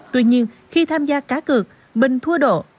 tuy nhiên khi tham gia cá cược bình thua độ